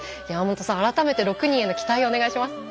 山本さん、改めて６人への期待をお願いします。